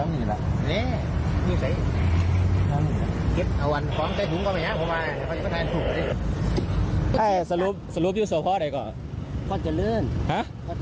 มีชุดตำรวจนะครับ